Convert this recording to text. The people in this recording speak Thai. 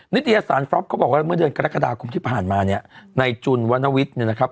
ิตยสารฟรอปเขาบอกว่าเมื่อเดือนกรกฎาคมที่ผ่านมาเนี่ยในจุนวรรณวิทย์เนี่ยนะครับ